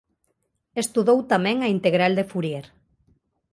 Estudou tamén a integral de Fourier.